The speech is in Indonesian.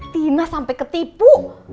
tina sampai ketipu